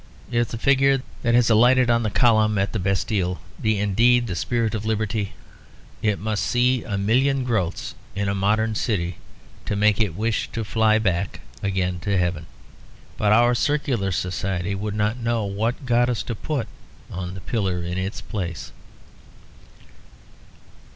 If the figure that has alighted on the column in the Place de la Bastille be indeed the spirit of liberty, it must see a million growths in a modern city to make it wish to fly back again into heaven. But our secular society would not know what goddess to put on the pillar in its place.